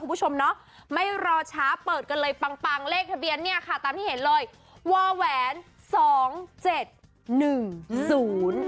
คุณผู้ชมเนาะไม่รอช้าเปิดกันเลยปังปังเลขทะเบียนเนี่ยค่ะตามที่เห็นเลยวอแหวนสองเจ็ดหนึ่งศูนย์